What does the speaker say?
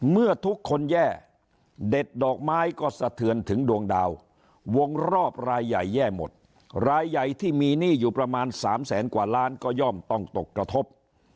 เมื่อทุกคนแย่เด็ดดอกไม้ก็สะเทือนถึงดวงดาววงรอบรายใหญ่แย่หมดรายใหญ่ที่มีหนี้อยู่ประมาณ๓แสนกว่าล้านก็ย่อมต้องตกกระทบ